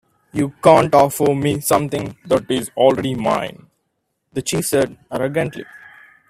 "You can't offer me something that is already mine," the chief said, arrogantly.